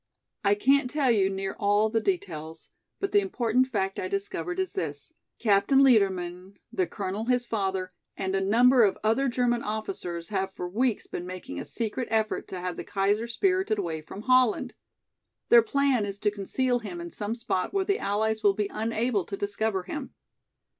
"I can't tell you near all the details, but the important fact I discovered is this: Captain Liedermann, the colonel his father, and a number of other German officers have for weeks been making a secret effort to have the Kaiser spirited away from Holland. Their plan is to conceal him in some spot where the Allies will be unable to discover him.